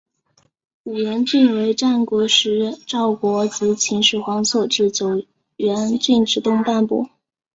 五原郡为战国时赵国及秦始皇所置九原郡之东半部。